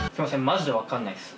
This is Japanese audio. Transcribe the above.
マジで分かんないっす。